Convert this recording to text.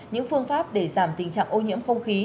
những phương pháp để giảm tình trạng ô nhiễm không khí